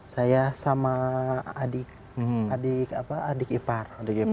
saya sama adik ipar